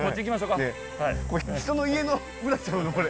これ人の家の裏ちゃうのこれ？